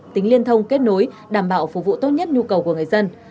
tính liên thông kết nối đảm bảo phục vụ tốt nhất nhu cầu của người dân